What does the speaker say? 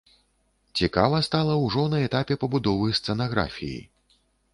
Цікава стала ўжо на этапе пабудовы сцэнаграфіі.